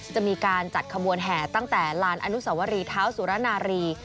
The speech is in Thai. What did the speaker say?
จะมีการจัดขบวนแห่ตั้งแต่ลานอนุสวรีเท้าสุรนารี